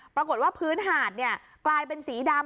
ปรากฏว่าพื้นหาดกลายเป็นสีดำ